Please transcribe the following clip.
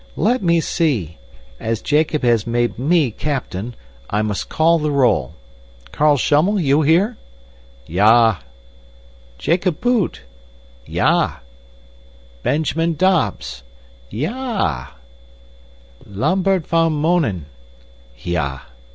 "Let me see. As Jacob has made me captain, I must call the roll. Carl Schummel, you here?" "Ya!" "Jacob Poot!" "Ya!" "Benjamin Dobbs!" "Ya a!" "Lambert van Mounen!" "Ya!"